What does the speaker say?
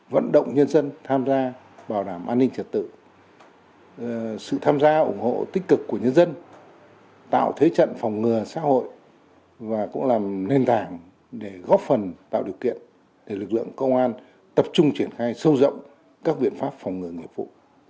vận động nhân dân tham gia bảo đảm an ninh trật tự sự tham gia ủng hộ tích cực của nhân dân tạo thế trận phòng ngừa xã hội và cũng làm nền tảng để góp phần tạo điều kiện để lực lượng công an tập trung triển khai sâu rộng các biện pháp phòng ngừa nghiệp vụ